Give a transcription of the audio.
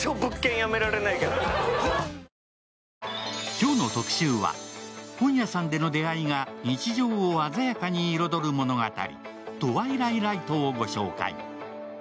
今日の特集は本屋さんでの出会いが日常を鮮やかに彩る物語、「トワイライライト」をご紹介。